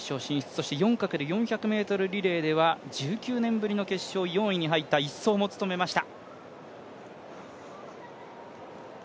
そして４×４００ｍリレーでは１９年ぶりの決勝、４位に入った１走も務めました。